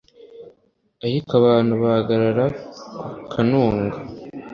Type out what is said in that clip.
ariko abantu bahagarara ku kanunga